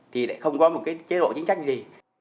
thì lại không có một cái chế độ chính sách gì